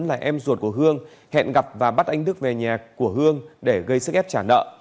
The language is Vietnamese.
là em ruột của hương hẹn gặp và bắt anh đức về nhà của hương để gây sức ép trả nợ